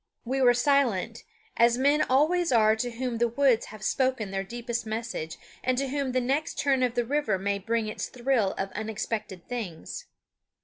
We were silent, as men always are to whom the woods have spoken their deepest message, and to whom the next turn of the river may bring its thrill of unexpected things.